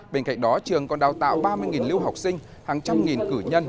bên cạnh đó trường còn đào tạo ba mươi lưu học sinh hàng trăm nghìn cử nhân